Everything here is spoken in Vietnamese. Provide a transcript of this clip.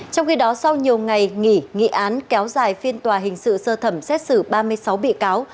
trong khi đó sau nhiều ngày nghỉ nghị án kéo dài phiên tòa hình sự sơ thẩm xét xử ba mươi sáu bị cáo